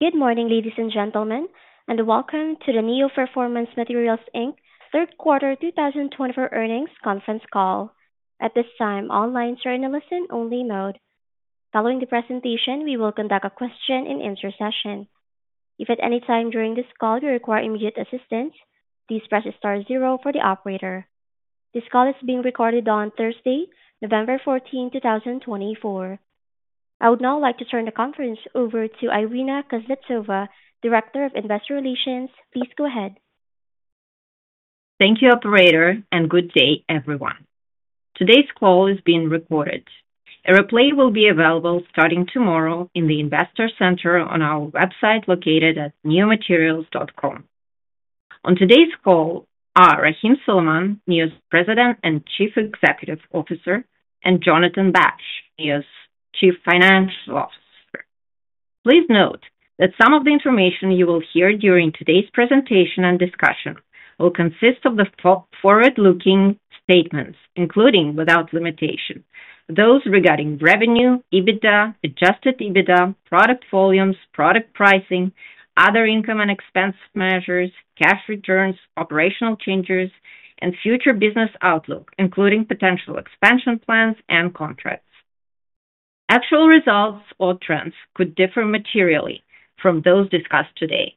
Good morning, ladies and gentlemen, and welcome to the Neo Performance Materials Inc. Third Quarter 2024 Earnings Conference call. At this time, all lines are in a listen-only mode. Following the presentation, we will conduct a question-and-answer session. If at any time during this call you require immediate assistance, please press star zero for the operator. This call is being recorded on Thursday, November 14, 2024. I would now like to turn the conference over to Irina Kuznetsova, Director of Investor Relations. Please go ahead. Thank you, Operator, and good day, everyone. Today's call is being recorded. A replay will be available starting tomorrow in the Investor Center on our website located at neomaterials.com. On today's call are Rahim Suleman, Neo's President and Chief Executive Officer, and Jonathan Baksh, Neo's Chief Financial Officer. Please note that some of the information you will hear during today's presentation and discussion will consist of the forward-looking statements, including without limitation, those regarding revenue, EBITDA, adjusted EBITDA, product volumes, product pricing, other income and expense measures, cash returns, operational changes, and future business outlook, including potential expansion plans and contracts. Actual results or trends could differ materially from those discussed today.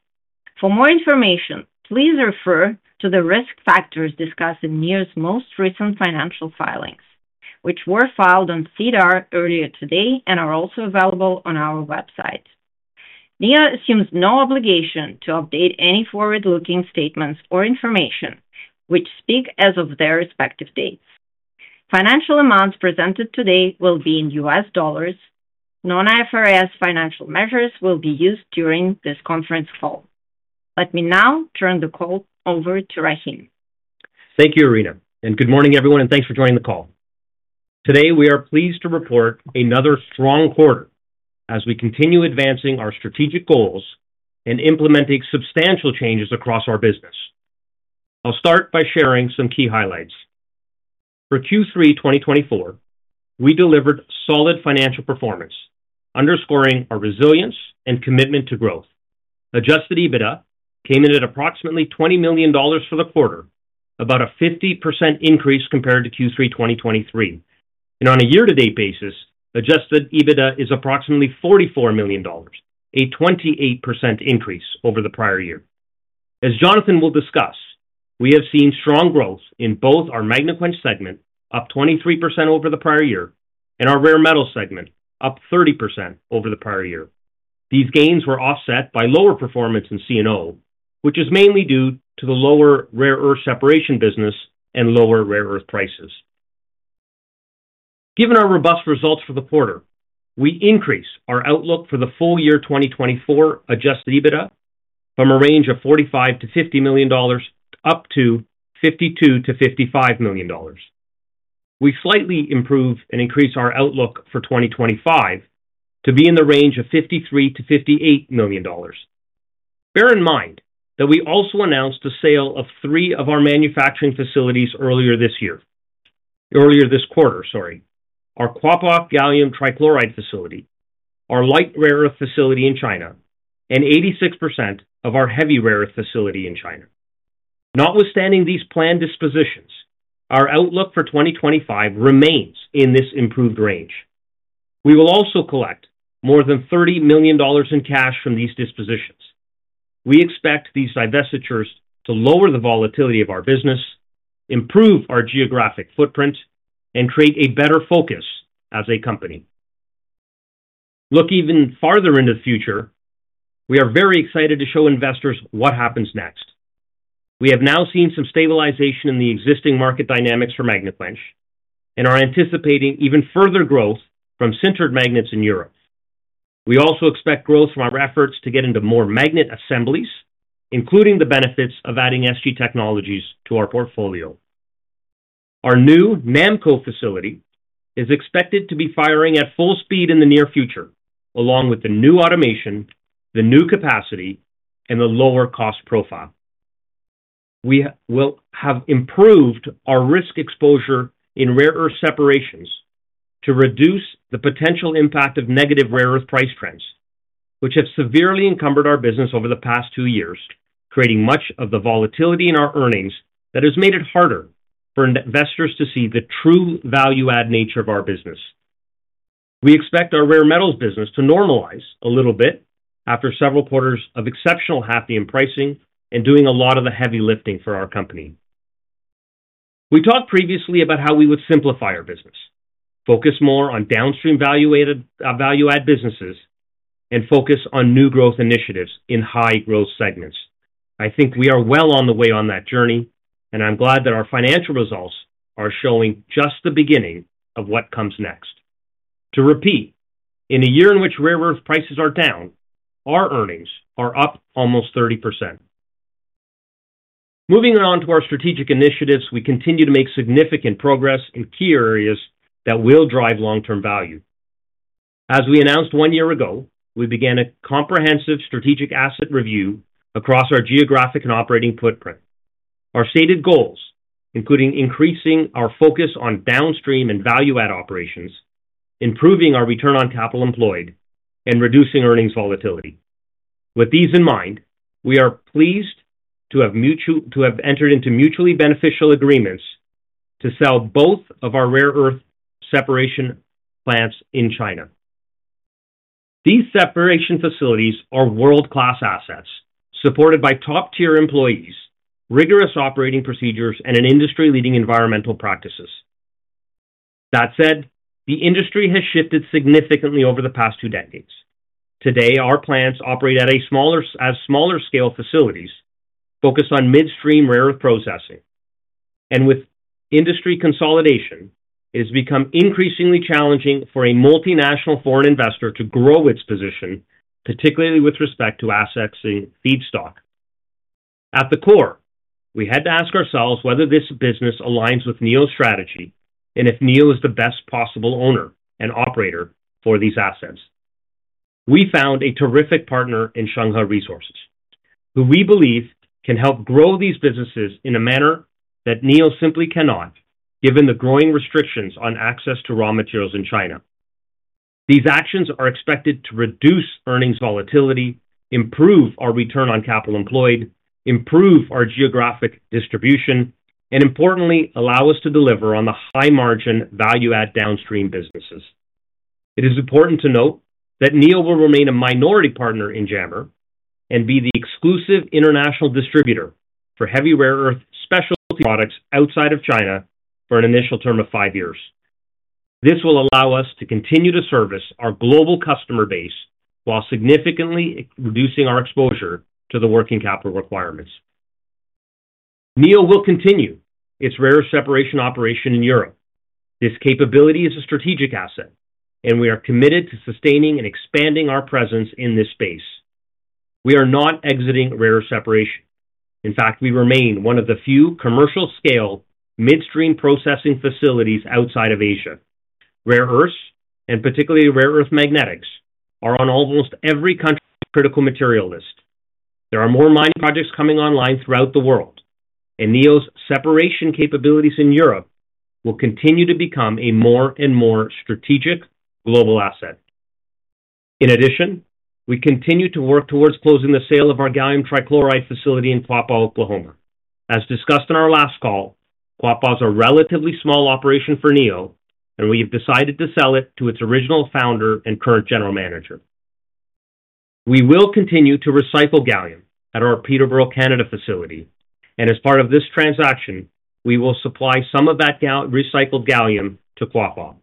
For more information, please refer to the risk factors discussed in Neo's most recent financial filings, which were filed on SEDAR earlier today and are also available on our website. Neo assumes no obligation to update any forward-looking statements or information which speak as of their respective dates. Financial amounts presented today will be in U.S. dollars. Non-IFRS financial measures will be used during this conference call. Let me now turn the call over to Rahim. Thank you, Irina, and good morning, everyone, and thanks for joining the call. Today, we are pleased to report another strong quarter as we continue advancing our strategic goals and implementing substantial changes across our business. I'll start by sharing some key highlights. For Q3 2024, we delivered solid financial performance, underscoring our resilience and commitment to growth. Adjusted EBITDA came in at approximately $20 million for the quarter, about a 50% increase compared to Q3 2023, and on a year-to-date basis, adjusted EBITDA is approximately $44 million, a 28% increase over the prior year. As Jonathan will discuss, we have seen strong growth in both our Magnequench segment, up 23% over the prior year, and our rare metal segment, up 30% over the prior year. These gains were offset by lower performance in C&O, which is mainly due to the lower rare earth separation business and lower rare earth prices. Given our robust results for the quarter, we increase our outlook for the full year 2024 adjusted EBITDA from a range of $45 million - $50 million up to $52 million - $55 million. We slightly improve and increase our outlook for 2025 to be in the range of $53 million - $58 million. Bear in mind that we also announced the sale of three of our manufacturing facilities earlier this year, earlier this quarter, sorry, our Quapaw gallium trichloride facility, our light rare earth facility in China, and 86% of our heavy rare earth facility in China. Notwithstanding these planned dispositions, our outlook for 2025 remains in this improved range. We will also collect more than $30 million in cash from these dispositions. We expect these divestitures to lower the volatility of our business, improve our geographic footprint, and create a better focus as a company. Look even farther into the future. We are very excited to show investors what happens next. We have now seen some stabilization in the existing market dynamics for Magnequench, and are anticipating even further growth from sintered magnets in Europe. We also expect growth from our efforts to get into more magnet assemblies, including the benefits of adding SG Technologies to our portfolio. Our new NAMCO facility is expected to be firing at full speed in the near future, along with the new automation, the new capacity, and the lower cost profile. We will have improved our risk exposure in rare earth separations to reduce the potential impact of negative rare earth price trends, which have severely encumbered our business over the past two years, creating much of the volatility in our earnings that has made it harder for investors to see the true value-add nature of our business. We expect our rare metals business to normalize a little bit after several quarters of exceptional hafnium pricing and doing a lot of the heavy lifting for our company. We talked previously about how we would simplify our business, focus more on downstream value-add businesses, and focus on new growth initiatives in high growth segments. I think we are well on the way on that journey, and I'm glad that our financial results are showing just the beginning of what comes next. To repeat, in a year in which rare earth prices are down, our earnings are up almost 30%. Moving on to our strategic initiatives, we continue to make significant progress in key areas that will drive long-term value. As we announced one year ago, we began a comprehensive strategic asset review across our geographic and operating footprint. Our stated goals, including increasing our focus on downstream and value-add operations, improving our return on capital employed, and reducing earnings volatility. With these in mind, we are pleased to have entered into mutually beneficial agreements to sell both of our rare earth separation plants in China. These separation facilities are world-class assets supported by top-tier employees, rigorous operating procedures, and industry-leading environmental practices. That said, the industry has shifted significantly over the past two decades. Today, our plants operate at smaller-scale facilities focused on midstream rare earth processing. With industry consolidation, it has become increasingly challenging for a multinational foreign investor to grow its position, particularly with respect to assets in feedstock. At the core, we had to ask ourselves whether this business aligns with Neo's strategy and if Neo is the best possible owner and operator for these assets. We found a terrific partner in Shenghe Resources, who we believe can help grow these businesses in a manner that Neo simply cannot, given the growing restrictions on access to raw materials in China. These actions are expected to reduce earnings volatility, improve our return on capital employed, improve our geographic distribution, and importantly, allow us to deliver on the high-margin value-add downstream businesses. It is important to note that Neo will remain a minority partner in JAMR and be the exclusive international distributor for heavy rare earth specialty products outside of China for an initial term of five years. This will allow us to continue to service our global customer base while significantly reducing our exposure to the working capital requirements. Neo will continue its rare earth separation operation in Europe. This capability is a strategic asset, and we are committed to sustaining and expanding our presence in this space. We are not exiting rare earth separation. In fact, we remain one of the few commercial-scale midstream processing facilities outside of Asia. Rare earths, and particularly rare earth magnetics, are on almost every critical material list. There are more mine projects coming online throughout the world, and Neo's separation capabilities in Europe will continue to become a more and more strategic global asset. In addition, we continue to work towards closing the sale of our gallium trichloride facility in Quapaw, Oklahoma. As discussed in our last call, Quapaw is a relatively small operation for Neo, and we have decided to sell it to its original founder and current general manager. We will continue to recycle gallium at our Peterborough, Canada facility, and as part of this transaction, we will supply some of that recycled gallium to Quapaw.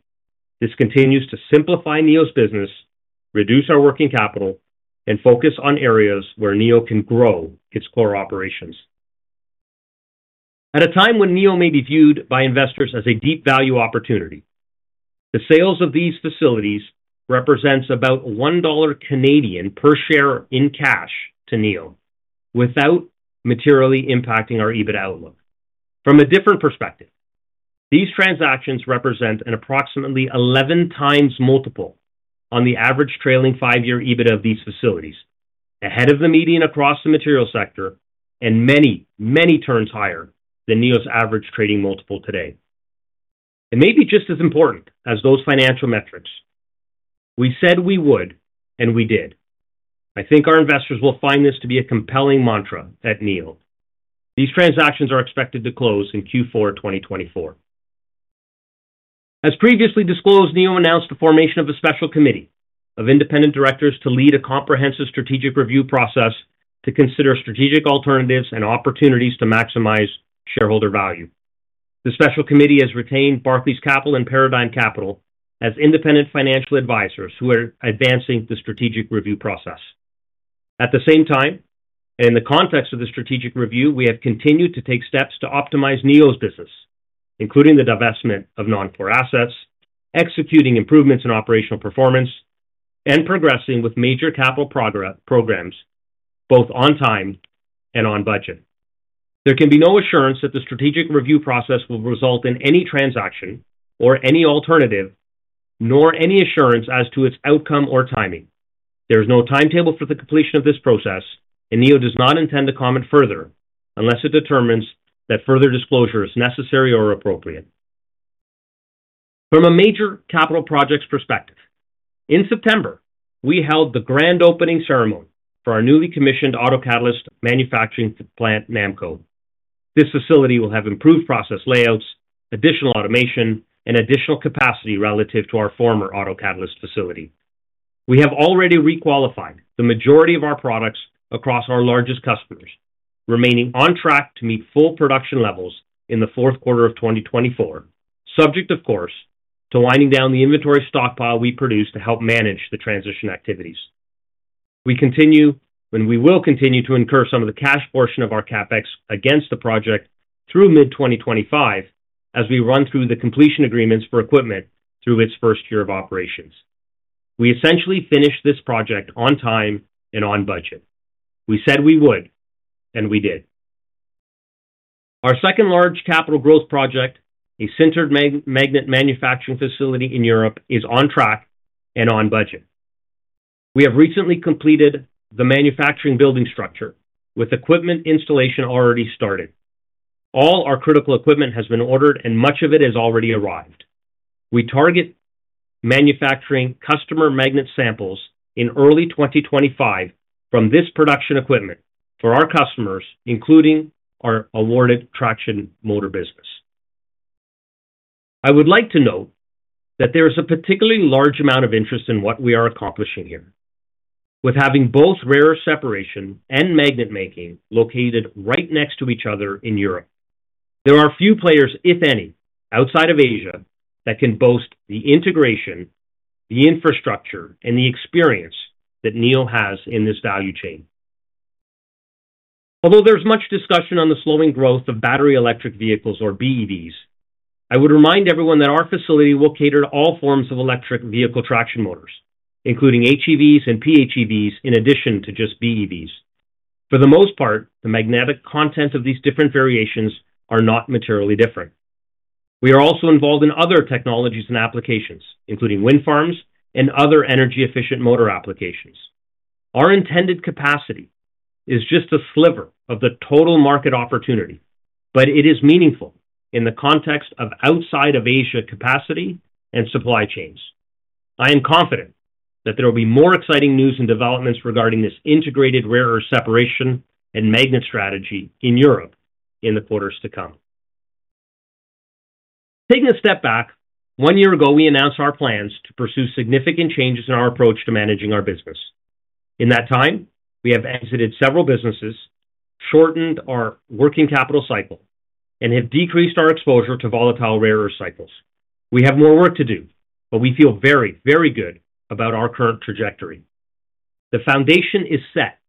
This continues to simplify Neo's business, reduce our working capital, and focus on areas where Neo can grow its core operations. At a time when Neo may be viewed by investors as a deep value opportunity, the sales of these facilities represent about 1 Canadian dollar per share in cash to Neo, without materially impacting our EBITDA outlook. From a different perspective, these transactions represent an approximately 11 times multiple on the average trailing five-year EBITDA of these facilities, ahead of the median across the material sector, and many, many turns higher than Neo's average trading multiple today. It may be just as important as those financial metrics. We said we would, and we did. I think our investors will find this to be a compelling mantra at Neo. These transactions are expected to close in Q4 2024. As previously disclosed, Neo announced the formation of a special committee of independent directors to lead a comprehensive strategic review process to consider strategic alternatives and opportunities to maximize shareholder value. The special committee has retained Barclays Capital and Paradigm Capital as independent financial advisors who are advancing the strategic review process. At the same time, and in the context of the strategic review, we have continued to take steps to optimize Neo's business, including the divestment of non-core assets, executing improvements in operational performance, and progressing with major capital programs both on time and on budget. There can be no assurance that the strategic review process will result in any transaction or any alternative, nor any assurance as to its outcome or timing. There is no timetable for the completion of this process, and Neo does not intend to comment further unless it determines that further disclosure is necessary or appropriate. From a major capital projects perspective, in September, we held the grand opening ceremony for our newly commissioned autocatalyst manufacturing plant, NAMCO. This facility will have improved process layouts, additional automation, and additional capacity relative to our former autocatalyst facility. We have already requalified the majority of our products across our largest customers, remaining on track to meet full production levels in the fourth quarter of 2024, subject, of course, to winding down the inventory stockpile we produce to help manage the transition activities. We continue and we will continue to incur some of the cash portion of our CapEx against the project through mid-2025 as we run through the completion agreements for equipment through its first year of operations. We essentially finished this project on time and on budget. We said we would, and we did. Our second large capital growth project, a sintered magnet manufacturing facility in Europe, is on track and on budget. We have recently completed the manufacturing building structure with equipment installation already started. All our critical equipment has been ordered, and much of it has already arrived. We target manufacturing customer magnet samples in early 2025 from this production equipment for our customers, including our awarded traction motor business. I would like to note that there is a particularly large amount of interest in what we are accomplishing here, with having both rare earth separation and magnet making located right next to each other in Europe. There are few players, if any, outside of Asia that can boast the integration, the infrastructure, and the experience that Neo has in this value chain. Although there's much discussion on the slowing growth of battery electric vehicles, or BEVs, I would remind everyone that our facility will cater to all forms of electric vehicle traction motors, including HEVs and PHEVs, in addition to just BEVs. For the most part, the magnetic content of these different variations are not materially different. We are also involved in other technologies and applications, including wind farms and other energy-efficient motor applications. Our intended capacity is just a sliver of the total market opportunity, but it is meaningful in the context of outside-of-Asia capacity and supply chains. I am confident that there will be more exciting news and developments regarding this integrated rare earth separation and magnet strategy in Europe in the quarters to come. Taking a step back, one year ago, we announced our plans to pursue significant changes in our approach to managing our business. In that time, we have exited several businesses, shortened our working capital cycle, and have decreased our exposure to volatile rare earth cycles. We have more work to do, but we feel very, very good about our current trajectory. The foundation is set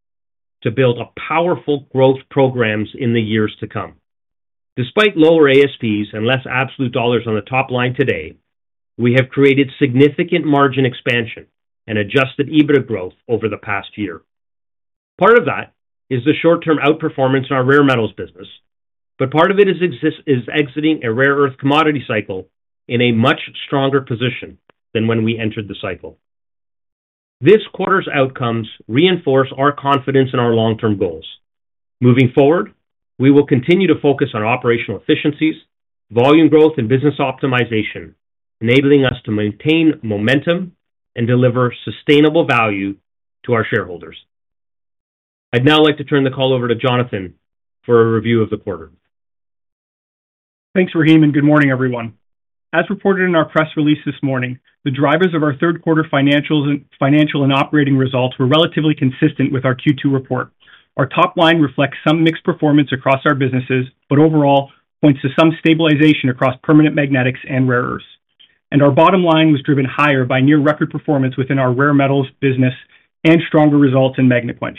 to build powerful growth programs in the years to come. Despite lower ASPs and less absolute dollars on the top line today, we have created significant margin expansion and Adjusted EBITDA growth over the past year. Part of that is the short-term outperformance in our rare metals business, but part of it is exiting a rare earth commodity cycle in a much stronger position than when we entered the cycle. This quarter's outcomes reinforce our confidence in our long-term goals. Moving forward, we will continue to focus on operational efficiencies, volume growth, and business optimization, enabling us to maintain momentum and deliver sustainable value to our shareholders. I'd now like to turn the call over to Jonathan for a review of the quarter. Thanks, Rahim, and good morning, everyone. As reported in our press release this morning, the drivers of our third quarter financial and operating results were relatively consistent with our Q2 report. Our top line reflects some mixed performance across our businesses, but overall points to some stabilization across permanent magnets and rare earths, and our bottom line was driven higher by near-record performance within our rare metals business and stronger results in Magnequench.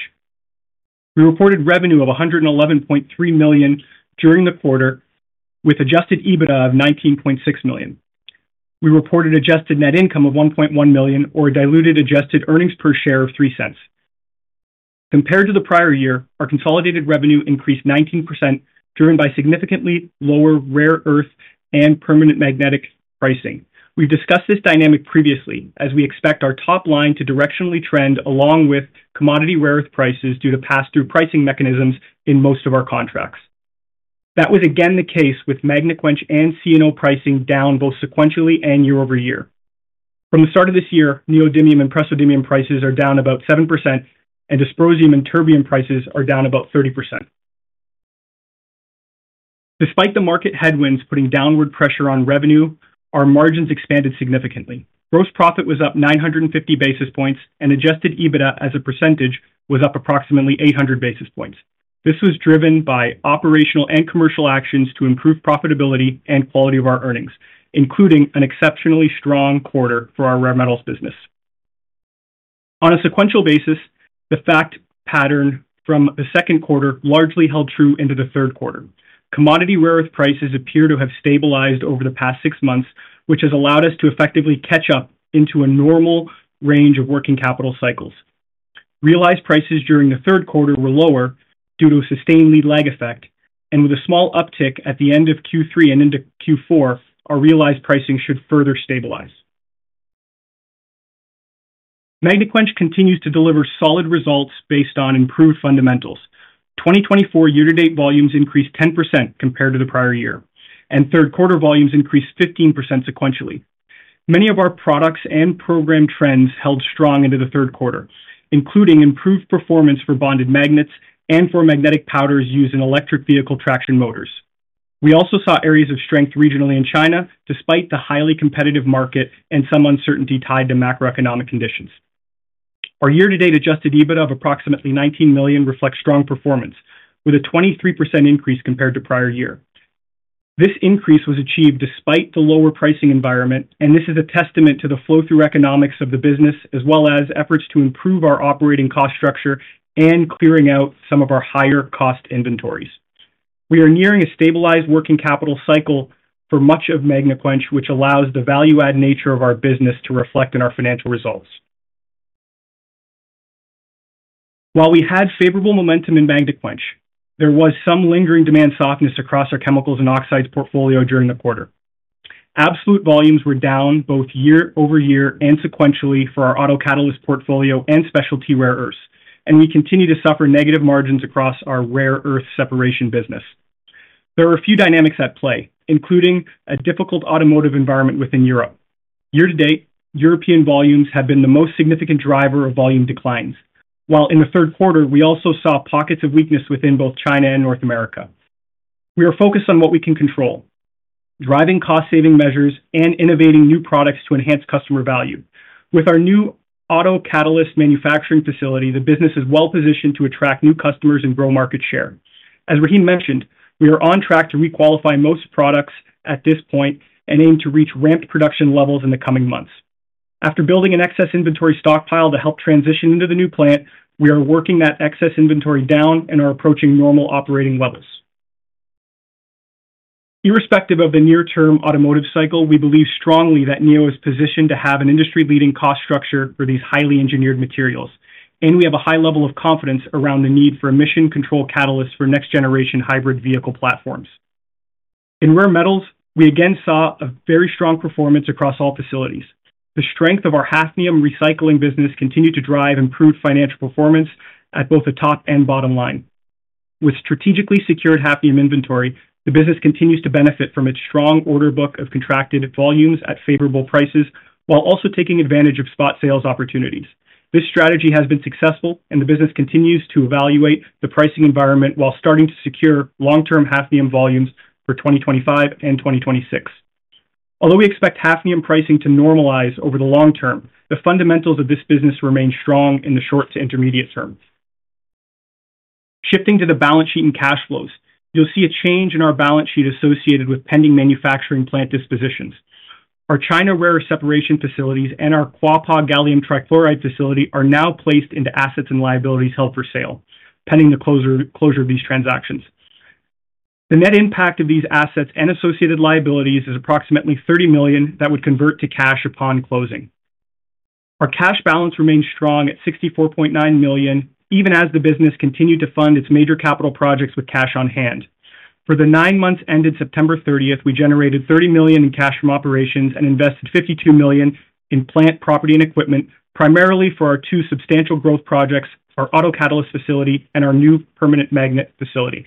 We reported revenue of $111.3 million during the quarter, with adjusted EBITDA of $19.6 million. We reported adjusted net income of $1.1 million, or diluted adjusted earnings per share of $0.03. Compared to the prior year, our consolidated revenue increased 19%, driven by significantly lower rare earth and permanent magnet pricing. We've discussed this dynamic previously, as we expect our top line to directionally trend along with commodity rare earth prices due to pass-through pricing mechanisms in most of our contracts. That was again the case with Magnequench and C&O pricing down both sequentially and year-over-year. From the start of this year, neodymium and praseodymium prices are down about 7%, and dysprosium and terbium prices are down about 30%. Despite the market headwinds putting downward pressure on revenue, our margins expanded significantly. Gross profit was up 950 basis points, and Adjusted EBITDA, as a percentage, was up approximately 800 basis points. This was driven by operational and commercial actions to improve profitability and quality of our earnings, including an exceptionally strong quarter for our rare metals business. On a sequential basis, the fact pattern from the second quarter largely held true into the third quarter. Commodity rare earth prices appear to have stabilized over the past six months, which has allowed us to effectively catch up into a normal range of working capital cycles. Realized prices during the third quarter were lower due to a sustained lead-lag effect, and with a small uptick at the end of Q3 and into Q4, our realized pricing should further stabilize. Magnequench continues to deliver solid results based on improved fundamentals. 2024 year-to-date volumes increased 10% compared to the prior year, and third quarter volumes increased 15% sequentially. Many of our products and program trends held strong into the third quarter, including improved performance for bonded magnets and for magnetic powders used in electric vehicle traction motors. We also saw areas of strength regionally in China, despite the highly competitive market and some uncertainty tied to macroeconomic conditions. Our year-to-date Adjusted EBITDA of approximately $19 million reflects strong performance, with a 23% increase compared to prior year. This increase was achieved despite the lower pricing environment, and this is a testament to the flow-through economics of the business, as well as efforts to improve our operating cost structure and clearing out some of our higher-cost inventories. We are nearing a stabilized working capital cycle for much of Magnequench, which allows the value-add nature of our business to reflect in our financial results. While we had favorable momentum in Magnequench, there was some lingering demand softness across our chemicals and oxides portfolio during the quarter. Absolute volumes were down both year-over-year and sequentially for our autocatalyst portfolio and specialty rare earths, and we continue to suffer negative margins across our rare earth separation business. There are a few dynamics at play, including a difficult automotive environment within Europe. Year-to-date, European volumes have been the most significant driver of volume declines, while in the third quarter, we also saw pockets of weakness within both China and North America. We are focused on what we can control, driving cost-saving measures and innovating new products to enhance customer value. With our new autocatalyst manufacturing facility, the business is well-positioned to attract new customers and grow market share. As Rahim mentioned, we are on track to requalify most products at this point and aim to reach ramped production levels in the coming months. After building an excess inventory stockpile to help transition into the new plant, we are working that excess inventory down and are approaching normal operating levels. Irrespective of the near-term automotive cycle, we believe strongly that Neo is positioned to have an industry-leading cost structure for these highly engineered materials, and we have a high level of confidence around the need for emission-control catalysts for next-generation hybrid vehicle platforms. In rare metals, we again saw a very strong performance across all facilities. The strength of our hafnium recycling business continued to drive improved financial performance at both the top and bottom line. With strategically secured hafnium inventory, the business continues to benefit from its strong order book of contracted volumes at favorable prices, while also taking advantage of spot sales opportunities. This strategy has been successful, and the business continues to evaluate the pricing environment while starting to secure long-term hafnium volumes for 2025 and 2026. Although we expect hafnium pricing to normalize over the long term, the fundamentals of this business remain strong in the short to intermediate term. Shifting to the balance sheet and cash flows, you'll see a change in our balance sheet associated with pending manufacturing plant dispositions. Our China rare earth separation facilities and our Quapaw gallium trichloride facility are now placed into assets and liabilities held for sale, pending the closure of these transactions. The net impact of these assets and associated liabilities is approximately $30 million that would convert to cash upon closing. Our cash balance remains strong at $64.9 million, even as the business continued to fund its major capital projects with cash on hand. For the nine months ended September 30th, we generated $30 million in cash from operations and invested $52 million in plant, property, and equipment, primarily for our two substantial growth projects, our autocatalyst facility and our new permanent magnet facility.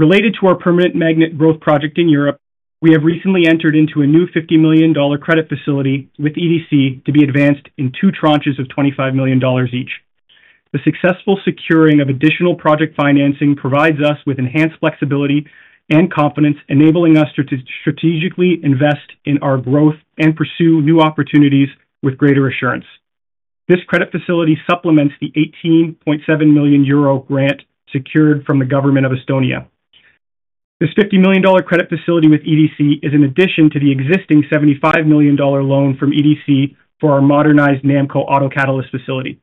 Related to our permanent magnet growth project in Europe, we have recently entered into a new $50 million credit facility with EDC to be advanced in two tranches of $25 million each. The successful securing of additional project financing provides us with enhanced flexibility and confidence, enabling us to strategically invest in our growth and pursue new opportunities with greater assurance. This credit facility supplements the 18.7 million euro grant secured from the government of Estonia. This $50 million credit facility with EDC is in addition to the existing $75 million loan from EDC for our modernized NAMCO autocatalyst facility.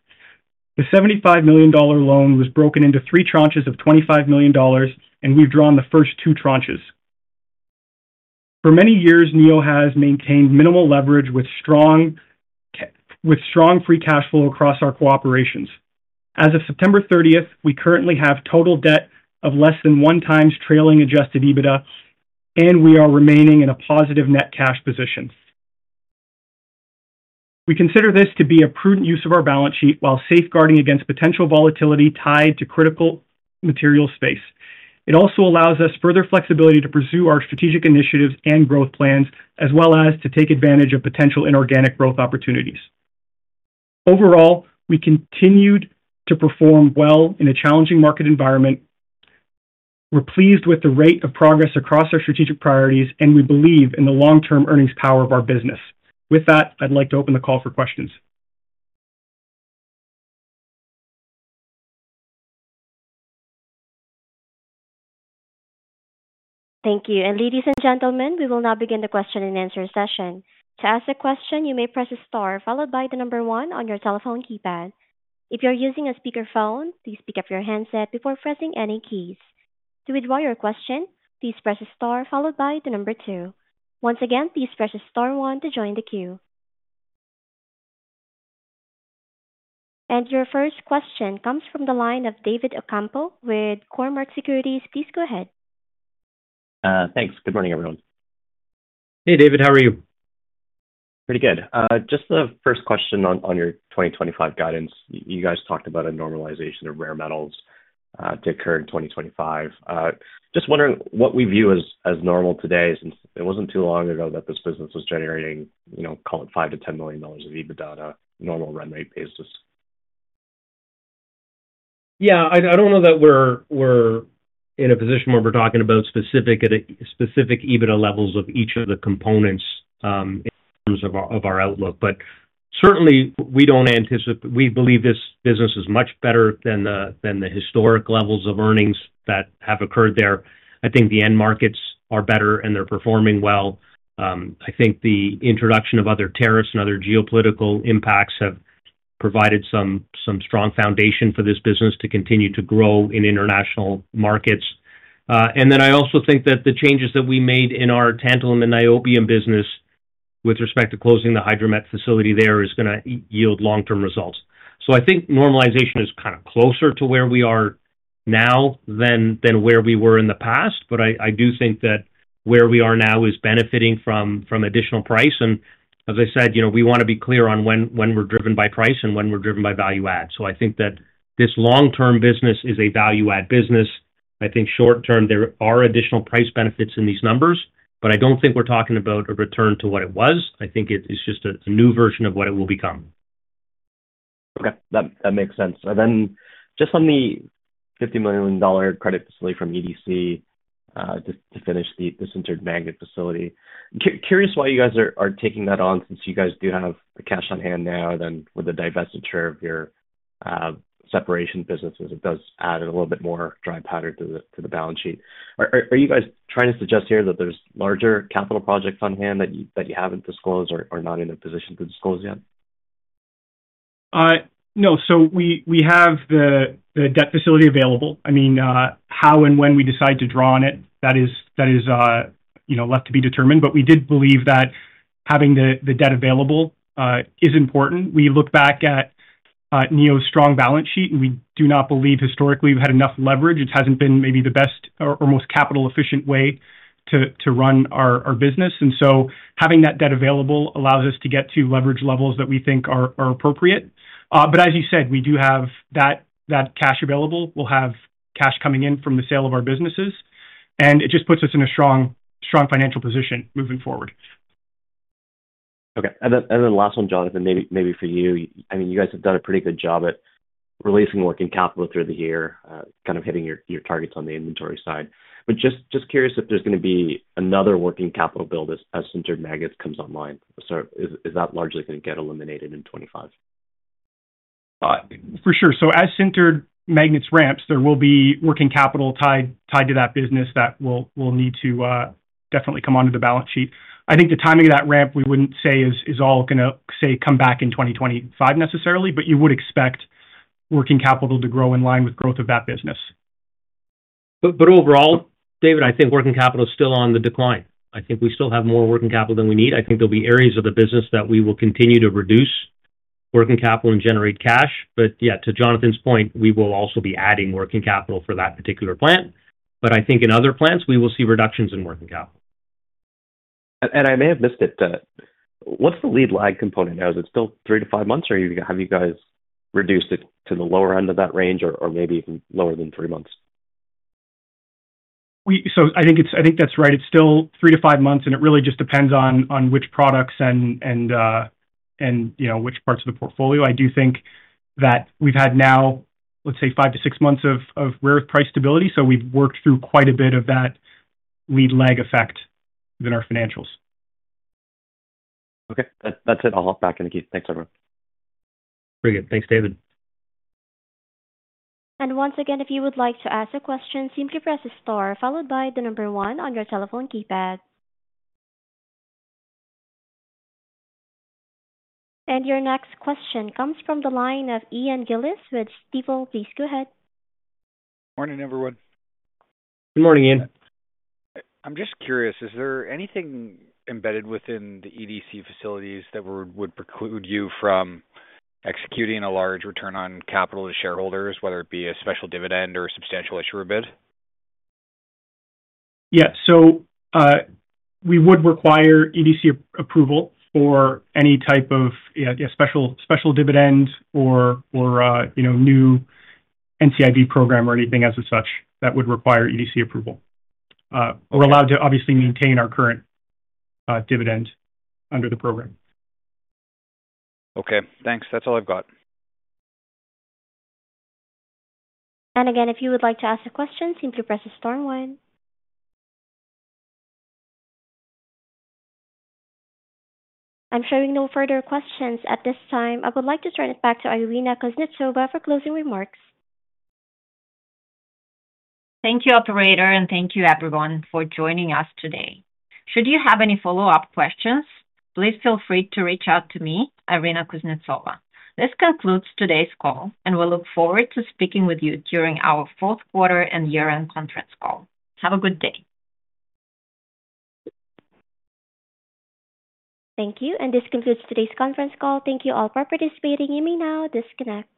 The $75 million loan was broken into three tranches of $25 million, and we've drawn the first two tranches. For many years, Neo has maintained minimal leverage with strong free cash flow across our operations. As of September 30th, we currently have total debt of less than one times trailing adjusted EBITDA, and we are remaining in a positive net cash position. We consider this to be a prudent use of our balance sheet while safeguarding against potential volatility tied to critical materials space. It also allows us further flexibility to pursue our strategic initiatives and growth plans, as well as to take advantage of potential inorganic growth opportunities. Overall, we continued to perform well in a challenging market environment. We're pleased with the rate of progress across our strategic priorities, and we believe in the long-term earnings power of our business. With that, I'd like to open the call for questions. Thank you. And ladies and gentlemen, we will now begin the question and answer session. To ask a question, you may press the star followed by the number one on your telephone keypad. If you're using a speakerphone, please pick up your handset before pressing any keys. To withdraw your question, please press the star followed by the number two. Once again, please press the star one to join the queue. And your first question comes from the line of David Ocampo with Cormark Securities. Please go ahead. Thanks. Good morning, everyone. Hey, David, how are you? Pretty good. Just the first question on your 2025 guidance. You guys talked about a normalization of rare metals to occur in 2025. Just wondering what we view as normal today, since it wasn't too long ago that this business was generating, call it, $5 million - $10 million of EBITDA on a normal run rate basis. Yeah, I don't know that we're in a position where we're talking about specific EBITDA levels of each of the components in terms of our outlook. But certainly, we believe this business is much better than the historic levels of earnings that have occurred there. I think the end markets are better, and they're performing well. I think the introduction of other tariffs and other geopolitical impacts have provided some strong foundation for this business to continue to grow in international markets. And then I also think that the changes that we made in our tantalum and niobium business with respect to closing the hydromet facility there is going to yield long-term results. So I think normalization is kind of closer to where we are now than where we were in the past, but I do think that where we are now is benefiting from additional price. And as I said, we want to be clear on when we're driven by price and when we're driven by value-add. So I think that this long-term business is a value-add business. I think short-term, there are additional price benefits in these numbers, but I don't think we're talking about a return to what it was. I think it's just a new version of what it will become. Okay. That makes sense. And then just on the $50 million credit facility from EDC, just to finish the sintered magnet facility, curious why you guys are taking that on since you guys do have the cash on hand now, then with the divestiture of your separation businesses, it does add a little bit more dry powder to the balance sheet. Are you guys trying to suggest here that there's larger capital projects on hand that you haven't disclosed or not in a position to disclose yet? No. So we have the debt facility available. I mean, how and when we decide to draw on it, that is left to be determined. But we did believe that having the debt available is important. We look back at Neo's strong balance sheet, and we do not believe historically we've had enough leverage. It hasn't been maybe the best or most capital-efficient way to run our business. And so having that debt available allows us to get to leverage levels that we think are appropriate. But as you said, we do have that cash available. We'll have cash coming in from the sale of our businesses, and it just puts us in a strong financial position moving forward. Okay. And then the last one, Jonathan, maybe for you. I mean, you guys have done a pretty good job at releasing working capital through the year, kind of hitting your targets on the inventory side. But just curious if there's going to be another working capital build as sintered magnets comes online. So is that largely going to get eliminated in 2025? For sure. So as sintered magnets ramps, there will be working capital tied to that business that will need to definitely come onto the balance sheet. I think the timing of that ramp, we wouldn't say is all going to say come back in 2025 necessarily, but you would expect working capital to grow in line with growth of that business. But overall, David, I think working capital is still on the decline. I think we still have more working capital than we need. I think there'll be areas of the business that we will continue to reduce working capital and generate cash. But yeah, to Jonathan's point, we will also be adding working capital for that particular plant. But I think in other plants, we will see reductions in working capital. And I may have missed it. What's the lead-lag component now? Is it still three to five months, or have you guys reduced it to the lower end of that range or maybe even lower than three months? So I think that's right. It's still three to five months, and it really just depends on which products and which parts of the portfolio. I do think that we've had now, let's say, five to six months of rare earth price stability. So we've worked through quite a bit of that lead-lag effect within our financials. Okay. That's it. I'll hop back in the queue. Thanks, everyone. Pretty good. Thanks, David. And once again, if you would like to ask a question, simply press the star followed by the number one on your telephone keypad. And your next question comes from the line of Ian Gillies with Stifel. Please go ahead. Good morning, everyone. Good morning, Ian. I'm just curious, is there anything embedded within the EDC facilities that would preclude you from executing a large return on capital to shareholders, whether it be a special dividend or a substantial issuer bid? Yeah. So we would require EDC approval for any type of special dividend or new NCIB program or anything as such that would require EDC approval. We're allowed to obviously maintain our current dividend under the program. Okay. Thanks. That's all I've got. And again, if you would like to ask a question, simply press the star one. I'm showing no further questions at this time. I would like to turn it back to Irina Kuznetsova for closing remarks. Thank you, operator, and thank you, everyone, for joining us today. Should you have any follow-up questions, please feel free to reach out to me, Irina Kuznetsova. This concludes today's call, and we'll look forward to speaking with you during our fourth quarter and year-end conference call. Have a good day. Thank you. And this concludes today's conference call. Thank you all for participating. You may now disconnect.